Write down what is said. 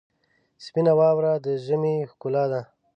سپینه واوره د ژمي ښکلا ده.